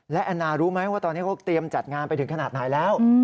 และแอนนารู้ไหมว่าตอนนี้เขาเตรียมจัดงานไปถึงขนาดไหนแล้ว